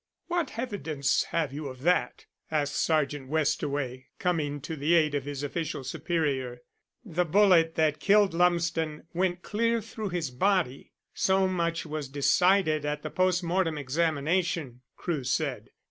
"What evidence have you of that?" asked Sergeant Westaway, coming to the aid of his official superior. "The bullet that killed Lumsden went clear through his body so much was decided at the post mortem examination," Crewe said.